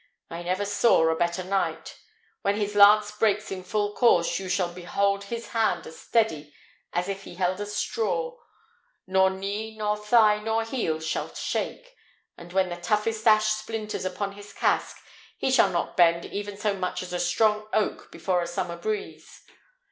I never saw a better knight. When his lance breaks in full course, you shall behold his hand as steady as if it held a straw: nor knee, nor thigh, nor heel shall shake; and when the toughest ash splinters upon his casque, he shall not bend even so much as a strong oak before a summer breeze.